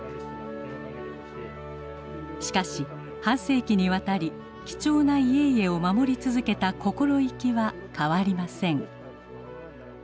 しかし半世紀にわたり貴重な家々を守り続けた心意気は変わりません。